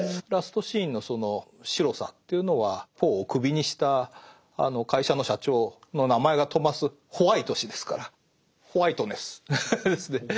ラストシーンのその白さというのはポーをクビにした会社の社長の名前がトマス・ホワイト氏ですからホワイトネスですね。